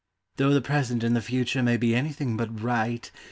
Though the present and the future may be anything but bright.